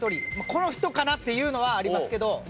この人かなっていうのはありますけど